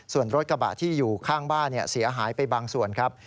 ส่วนรถกระบะที่อยู่ข้างบ้านเสียหายไปบางส่วนครับ